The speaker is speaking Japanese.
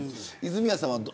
泉谷さんは。